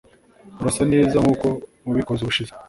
urasa neza neza nkuko wabikoze ubushize